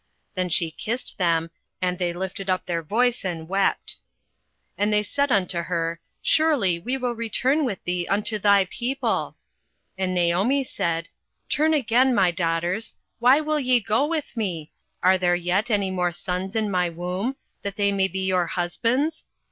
Then she kissed them; and they lifted up their voice, and wept. 08:001:010 And they said unto her, Surely we will return with thee unto thy people. 08:001:011 And Naomi said, Turn again, my daughters: why will ye go with me? are there yet any more sons in my womb, that they may be your husbands?